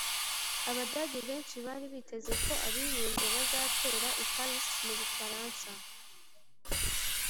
abadage benshi bari biteze ko abiyunze bazatera i calais, mu bufaransa